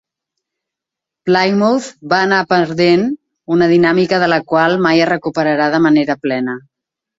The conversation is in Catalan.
Plymouth va anar perdent, una dinàmica de la qual mai es recuperarà de manera plena.